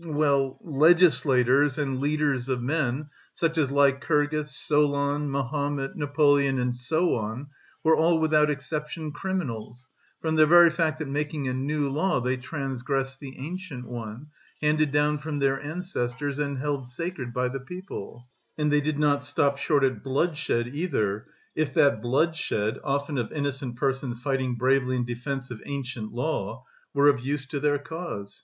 well, legislators and leaders of men, such as Lycurgus, Solon, Mahomet, Napoleon, and so on, were all without exception criminals, from the very fact that, making a new law, they transgressed the ancient one, handed down from their ancestors and held sacred by the people, and they did not stop short at bloodshed either, if that bloodshed often of innocent persons fighting bravely in defence of ancient law were of use to their cause.